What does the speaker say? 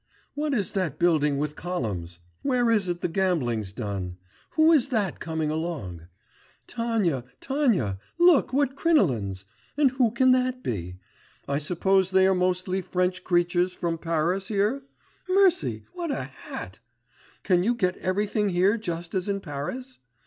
'What is that building with columns? Where is it the gambling's done? Who is that coming along? Tanya, Tanya, look, what crinolines! And who can that be? I suppose they are mostly French creatures from Paris here? Mercy, what a hat! Can you get everything here just as in Paris?